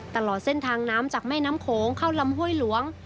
ตลอดเส้นทางน้ำจากแม่น้ำโขงเข้าลำห้วยหลวง